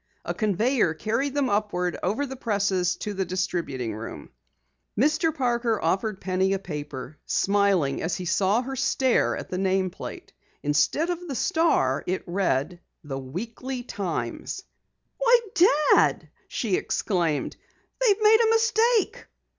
A conveyer carried them upward over the presses to the distributing room. Mr. Parker offered Penny a paper, smiling as he saw her stare at the nameplate. Instead of the Star it read: The Weekly Times. "Why, Dad!" she exclaimed. "They've made a mistake."